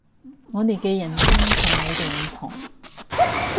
我哋嘅人生同你哋唔同